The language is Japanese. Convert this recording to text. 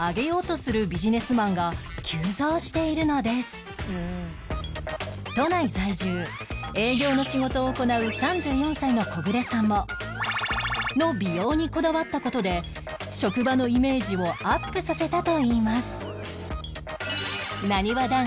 今都内在住営業の仕事を行う３４歳のコグレさんもの美容にこだわった事で職場のイメージをアップさせたといいます